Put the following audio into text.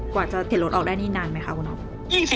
กว่าจะเข็นรถออกได้นี่นานไหมคะคุณอ๊อฟ